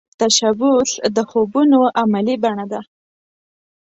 تشبث د خوبونو عملې بڼه ده